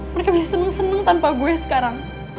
mereka bisa seneng seneng tanpa gue sekarang